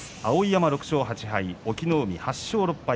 碧山９勝８敗、隠岐の海８勝６敗。